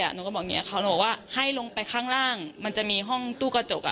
หนูก็บอกว่าให้ลงไปข้างล่างมันจะมีห้องตู้กระจก